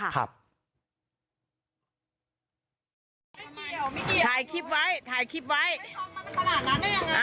แล้วใครจะตีแม่